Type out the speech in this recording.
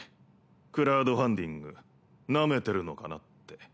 クラウドファンディングなめてるのかなって。